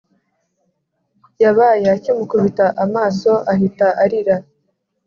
yabaye akimukubita amaso ahita arira